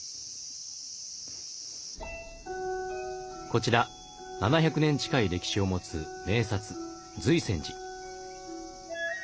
こちら７００年近い歴史を持つ名刹瑞泉寺。